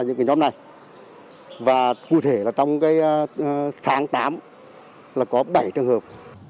và những nhóm này và cụ thể là trong tháng tám là có bảy trường hợp